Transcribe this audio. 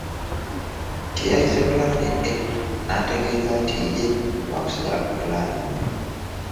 Kye yayise pulaani A n'ategeeza nti ye waakusigala ku pulaani B.